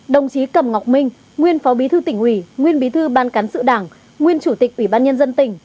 đồng chí cầm ngọc minh nguyên phó bí thư tỉnh ủy nguyên bí thư ban cán sự đảng nguyên chủ tịch ủy ban nhân dân tỉnh